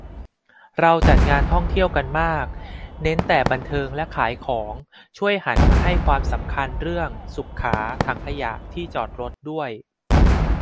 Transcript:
เราจัดงานท่องเที่ยวกันมากเน้นแต่บันเทิงและขายของ ช่วยหันมาให้ความสำคัญเรื่องสุขา ถังขยะ ที่จอดรถด้วย